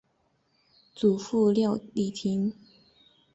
祖父廖礼庭。